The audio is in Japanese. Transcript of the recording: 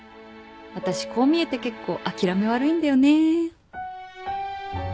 私こう見えて結構諦め悪いんだよね